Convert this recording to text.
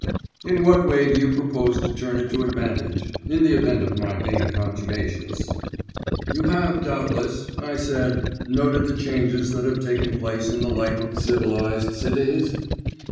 "In what way do you propose to turn it to advantage, in the event of my being contumacious?" "You have doubtless," I said, "noted the changes that have taken place in the life of civilised cities?"